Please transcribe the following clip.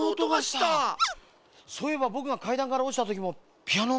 そういえばぼくがかいだんからおちたときもピアノのおとがしたよ。